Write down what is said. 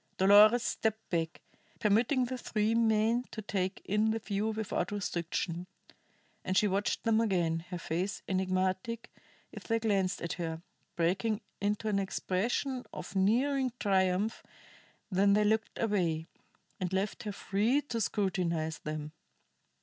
Dolores stepped back, permitting the three men to take in the view without restriction. And she watched them again, her face enigmatic if they glanced at her, breaking into an expression of nearing triumph when they looked away, and left her free to scrutinize them.